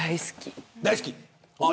大好き。